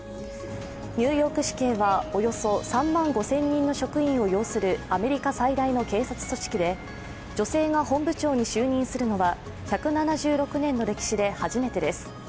ニューヨーク市警はおよそ３万５０００人の職員を擁するアメリカ最大の警察組織で、女性が本部長に就任するのは１７６年の歴史で初めてです。